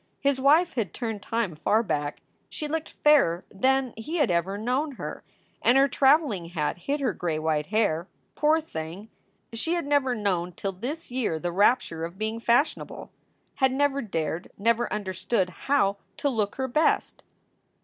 His wife had turned time far back; she looked fairer than he had ever known her; and her traveling hat hid her gray white hair. Poor thing ! She had never known till this year the rapture of being fashionable; had never dared, never understood how, to look her best.